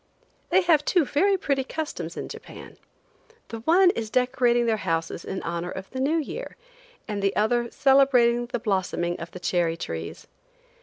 They have two very pretty customs in Japan. The one is decorating their houses in honor of the new year, and the other celebrating the blossoming of the cherry trees.